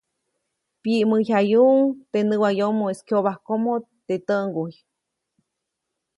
Pyiʼmäyjayuʼuŋ teʼ näwayomoʼis kyobajkomo teʼ täʼŋguy.